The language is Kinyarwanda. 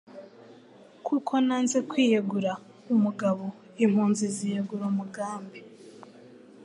nuko nanze kwiyegura umugabo impunzi ziyegura umugambi,